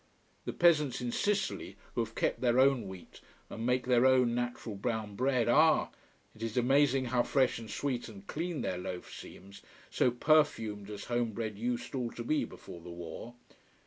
The peasants in Sicily, who have kept their own wheat and make their own natural brown bread, ah, it is amazing how fresh and sweet and clean their loaf seems, so perfumed as home bread used all to be before the war.